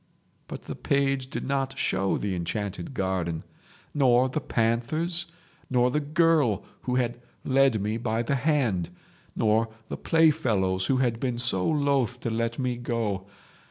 "But the page did not show the enchanted garden, nor the panthers, nor the girl who had led me by the hand, nor the playfellows who had been so loth to let me go.